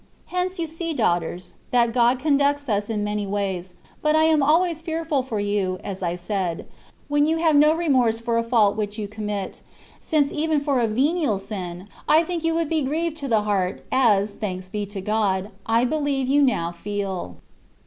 Hence you see, daughters, that God conducts us in many ways: but I am always fearful for you (as I said), when you have no remorse for a fault which you commit ; since even for a venial sin, I think you would be grieved to the heart, as, thanks be to God, I believe you now feel.